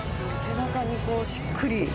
背中にこうしっくり。